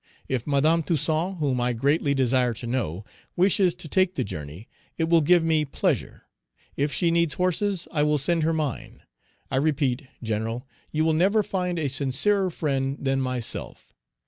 If Madame Toussaint, whom I greatly desire to know, wishes to take the journey, it will give me pleasure. If she needs horses, I will send her mine. I repeat, General, you will never find a sincerer friend than myself.